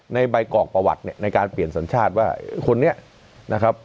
ในใบกรอกประวัติเนี่ยในการเปลี่ยนสัญชาติว่าคนนี้นะครับ